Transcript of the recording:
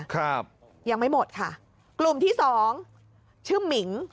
ครับยังไม่หมดค่ะกลุ่มที่สองชื่อหมิง